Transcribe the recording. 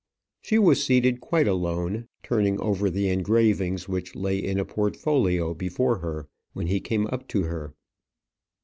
She was seated quite alone, turning over the engravings which lay in a portfolio before her, when he came up to her.